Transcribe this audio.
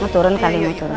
maturun kali maturun